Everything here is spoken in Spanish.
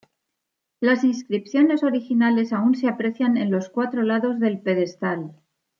Las inscripciones originales aún se aprecian en los cuatro lados del pedestal.